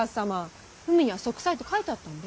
文には息災と書いてあったんべ。